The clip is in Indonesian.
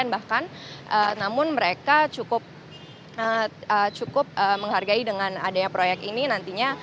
bahkan namun mereka cukup menghargai dengan adanya proyek ini nantinya